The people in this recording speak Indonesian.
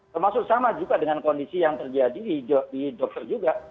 termasuk sama juga dengan kondisi yang terjadi di dokter juga